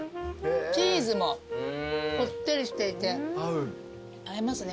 チーズもこってりしていて合いますね